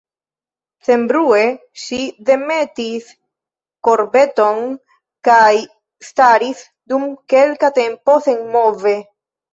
Senbrue ŝi demetis korbeton kaj staris, dum kelka tempo, senmove.